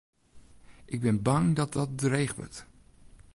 Ik bin bang dat dat dreech wurdt.